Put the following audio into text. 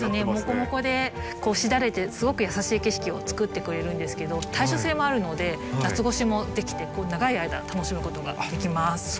もこもこでこうしだれてすごく優しい景色をつくってくれるんですけど耐暑性もあるので夏越しもできて長い間楽しむことができます。